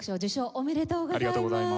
ありがとうございます。